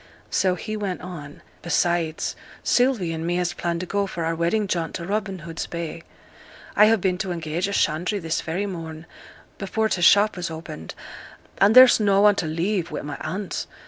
So he went on. 'Besides, Sylvie and me has planned to go for our wedding jaunt to Robin Hood's Bay. I ha' been to engage a shandry this very morn, before t' shop was opened; and there's no one to leave wi' my aunt.